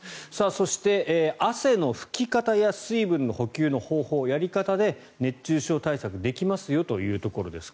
そして、汗の拭き方や水分の補給の方法で熱中症対策できますよというところです。